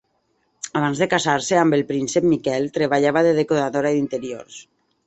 Abans de casar-se amb el príncep Miquel, treballava de decoradora d'interiors.